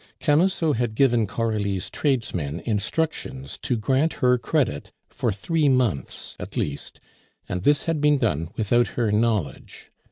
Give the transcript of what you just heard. Camusot had given Coralie's tradesmen instructions to grant her credit for three months at least, and this had been done without her knowledge.